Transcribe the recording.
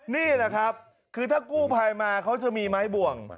นี่แหละครับคือถ้ากู้ภัยมาเขาจะมีไม้บ่วง